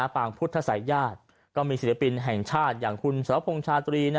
ปางพุทธศัยญาติก็มีศิลปินแห่งชาติอย่างคุณสรพงษ์ชาตรี